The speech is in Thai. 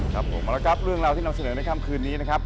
ครับผมมาแล้วครับเรื่องราวที่นำเสนอในค่ำคืนนี้นะครับ